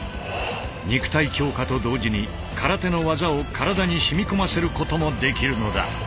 肉体強化と同時に空手の技を体に染み込ませることもできるのだ。